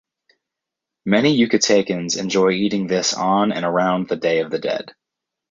Many Yucatecans enjoy eating this on and around the Day of the Dead.